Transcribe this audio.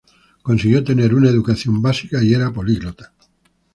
Consiguió tener una educación básica y era políglota.